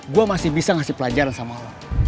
gue masih bisa ngasih pelajaran sama allah